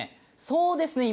そうですね